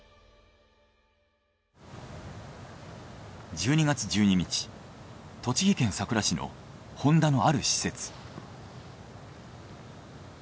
１２月１２日栃木県・さくら市のホンダのある施設。